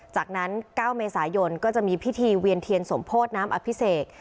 จากนั้น๙เมษายนก็จะมีพิธีเวียนเทียนสมโพธิน้ำอภิเษก